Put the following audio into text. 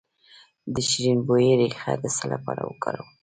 د شیرین بویې ریښه د څه لپاره وکاروم؟